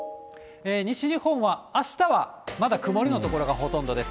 西日本はあしたは、まだ曇りの所がほとんどです。